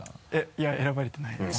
いや選ばれてないですね。